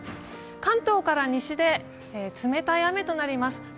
関東から西で冷たい雨となります。